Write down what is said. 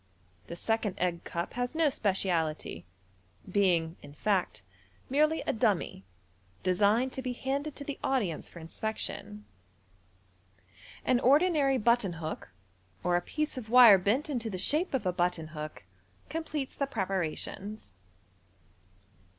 The second egg cup has no speciality, being, in fact, merely a dummy, designed to be handed to the audience for inspection. An ordinary button hook, or a piece of wire bent into the shape of a button hook, com pletes the preparations.